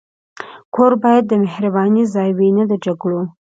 کور باید د مهربانۍ ځای وي، نه د جګړو.